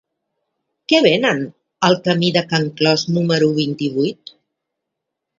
Què venen al camí de Can Clos número vint-i-vuit?